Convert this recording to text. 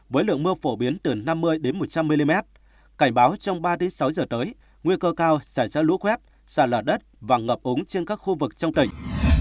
với lượng mưa phổ biến từ năm mươi đến một trăm linh mm cảnh báo trong ba đến sáu giờ tới nguy cơ cao sẽ ra lũ khuét sạt lở đất và ngập úng trên các khu vực trong tỉnh